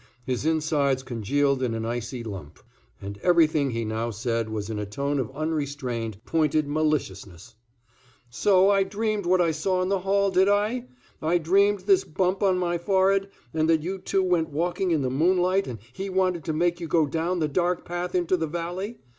His insides congealed in an icy lump, and everything he now said was in a tone of unrestrained, pointed maliciousness. "So I dreamed what I saw in the hall, did I? I dreamed this bump on my forehead, and that you two went walking in the moonlight and he wanted to make you go down the dark path into the valley?